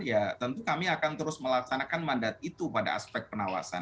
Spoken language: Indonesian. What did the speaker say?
ya tentu kami akan terus melaksanakan mandat itu pada aspek pengawasan